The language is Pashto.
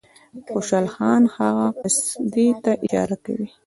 خوشحال خان هغه قصیدې ته اشاره کوي.